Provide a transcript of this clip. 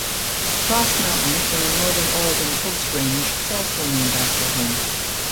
Trask Mountain in the Northern Oregon Coast Range is also named after him.